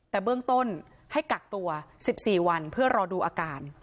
แต่เบื้องต้นให้กักตัว๑๔วันเพื่อรอดูอาการ